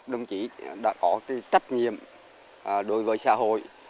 đồng chí đã có trách nhiệm đối với xã hội